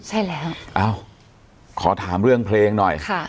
ใช่แล้วอ้าวขอถามเรื่องเพลงหน่อยค่ะ